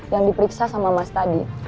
yang diperiksa sama mas tadi